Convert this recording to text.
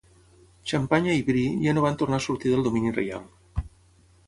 Xampanya i Brie ja no van tornar a sortir del domini reial.